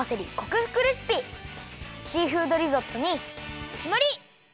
シーフードリゾットにきまり！